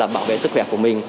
bảo vệ sức khỏe của mình